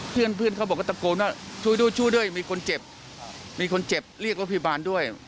เพื่อนเขาบอกก็ตะโกนว่าช่วยด้วยมีคนเจ็บมีคนเจ็บเรียกวิบาลด้วย